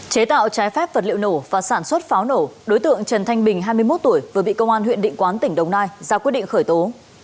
chế tạo trái phép vật liệu nổ và sản xuất pháo nổ đối tượng trần thanh bình hai mươi một tuổi vừa bị công an huyện định quán tỉnh đồng nai ra quyết định khởi tố